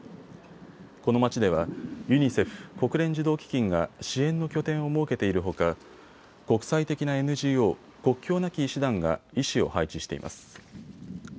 この町ではユニセフ・国連児童基金が支援の拠点を設けているほか国際的なＮＧＯ国境なき医師団が医師を配置しています。